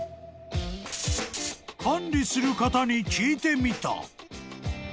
［管理する方に聞いてみた］